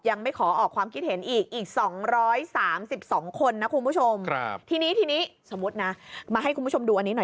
ยังไม่ขอออกความคิดเห็นอีกอีก๒๓๒คนนะครับคุณผู้ชม